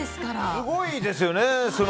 すごいですよね。